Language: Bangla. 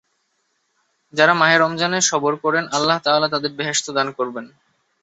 যারা মাহে রমজানে সবর করেন, আল্লাহ তাআলা তাদের বেহেশত দান করবেন।